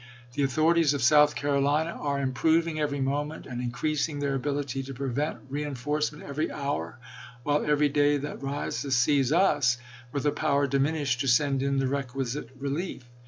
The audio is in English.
.. The authorities of South Carolina are im proving every moment, and increasing their ability to prevent reenforcement every hour, while every day that rises sees us with a power diminished to send in the requisite relief.